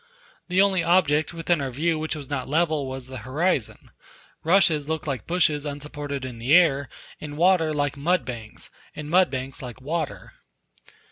The only object within our view which was not level was the horizon; rushes looked like bushes unsupported in the air, and water like mud banks, and mud banks like water.